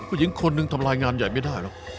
ผู้หญิงคนหนึ่งทำรายงานใหญ่ไม่ได้หรอก